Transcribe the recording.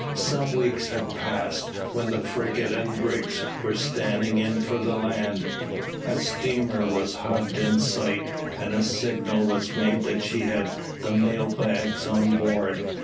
Some weeks had passed, when the frigate and brigs were standing in for the land, a steamer hove in sight, and a signal was made that she had the mail bags on board.